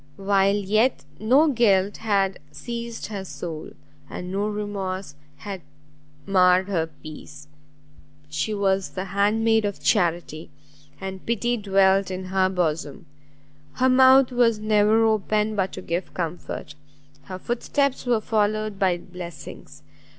while yet no guilt had seized her soul, and no remorse had marred her peace. She was the hand maid of charity, and pity dwelt in her bosom! her mouth was never open but to give comfort; her foot steps were followed by blessings!